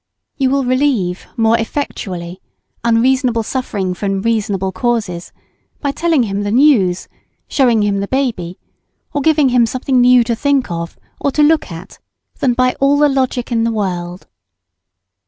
You will relieve, more effectually, unreasonable suffering from reasonable causes by telling him "the news," showing him "the baby," or giving him something new to think of or to look at than by all the logic in the world.